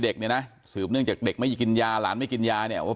เด็กเนี่ยนะสืบเนื่องจากเด็กไม่กินยาหลานไม่กินยาเนี่ยว่า